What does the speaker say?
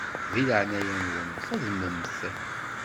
Di leɛnaya-nwen xedmem-t.